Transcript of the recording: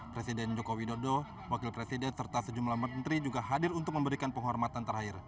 presiden joko widodo wakil presiden serta sejumlah menteri juga hadir untuk memberikan penghormatan terakhir